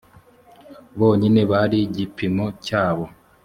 bonyine bari gipimo cyabo